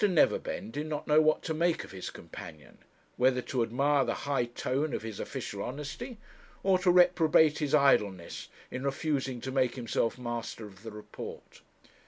Neverbend did not know what to make of his companion; whether to admire the high tone of his official honesty, or to reprobate his idleness in refusing to make himself master of the report.